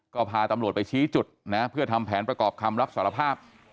ก็พาตำรวจไปชี้จุดนะเพื่อทำแผนประกอบคำรับสารภาพ